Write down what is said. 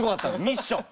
ミッション。